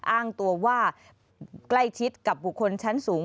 อ้างตัวว่าใกล้ชิดกับบุคคลชั้นสูง